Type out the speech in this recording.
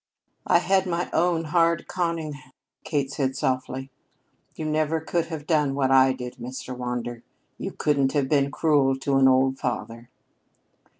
"I had my own hard conning," Kate said softly. "You never could have done what I did, Mr. Wander. You couldn't have been cruel to an old father."